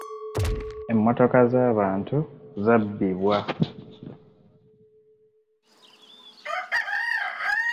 Emmotoka z'abantu zabbibwa.